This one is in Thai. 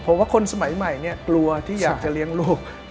เพราะว่าคนสมัยใหม่เนี่ยกลัวที่อยากจะเลี้ยงลูก